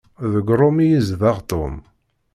Deg Rome i yezdeɣ Tom.